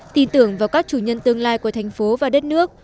tin tưởng vào các chủ nhân tương lai của thành phố và đất nước